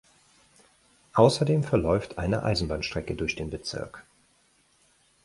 Außerdem verläuft eine Eisenbahnstrecke durch den Bezirk.